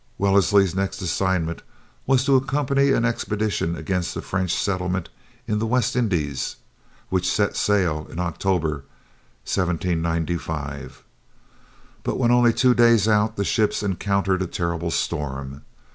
Wellesley's next assignment was to accompany an expedition against the French settlement in the West Indies, which set sail in October, 1795. But when only two days out the ships encountered a terrible storm.